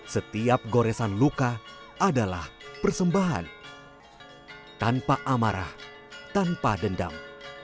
setiap goresan luka adalah persembahan tanpa amarah tanpa dendam